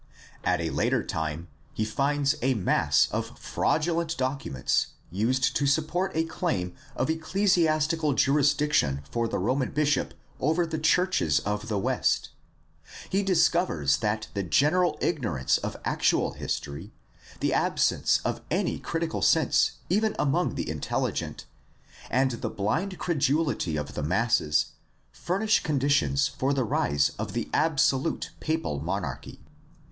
At a later time he finds a mass of fraudulent documents used to support a claim of ecclesiastical jurisdiction for the Roman bishop over the churches of the West. He discovers that the general ignorance of actual history, the absence of any critical sense even among the intelligent, and the blind cred ulity of the masses furnish conditions for the rise of the absolute papal monarchy.